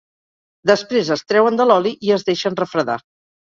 Després es treuen de l'oli i es deixen refredar.